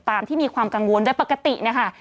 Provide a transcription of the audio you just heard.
ตามที่มีความกังวลอย่างปกตินะคะ